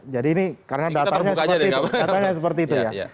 jadi ini karena datanya seperti itu ya